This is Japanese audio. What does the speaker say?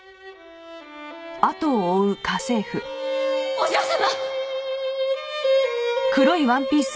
お嬢様！